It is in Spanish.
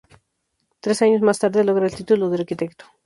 Tres años más tarde logra el título de arquitecto.